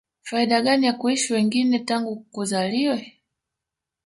faida gani ya kuishi wengine tangu kuzaliwe